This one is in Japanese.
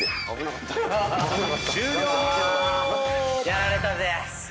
終了！やられたぜ。